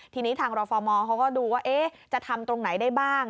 ทีนี้ทางรฟมเขาก็ดูว่าจะทำตรงไหนได้บ้าง